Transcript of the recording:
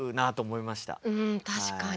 うん確かに。